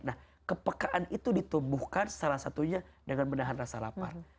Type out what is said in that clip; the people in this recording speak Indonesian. nah kepekaan itu ditumbuhkan salah satunya dengan menahan rasa lapar